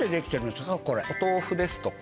お豆腐ですとか